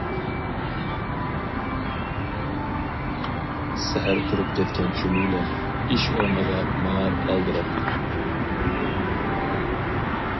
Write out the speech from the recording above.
سەھەر تۇرۇپ كەتكەن چۈمۈلە، ئىش ئورنىغا ماڭار ئالدىراپ.